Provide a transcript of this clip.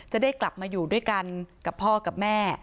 จะได้กลับมาอยู่ด้วยกันกับพ่อกับแม่